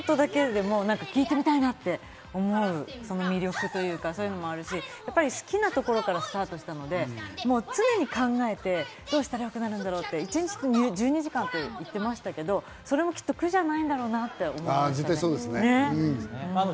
今ちょっとだけでも聞いてみたいなって思う魅力というか、そういうのもあるし、やっぱり好きなところからスタートしたので、常に考えて、どうしたら良くなるんだろう？って、一日１２時間っていってましたけど、それもきっと苦じゃないんだろうなと思います。